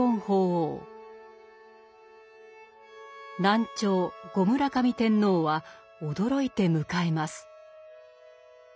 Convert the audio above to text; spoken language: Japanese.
南朝・後村上天皇は驚いて迎えます。